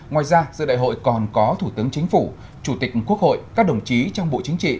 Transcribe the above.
ngoài ra dự đại hội còn có thủ tướng chính phủ chủ tịch quốc hội các đồng chí trong bộ chính trị